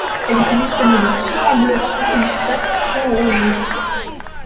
Elle était disponible soit en bleu, assez discret, soit en rouge vif.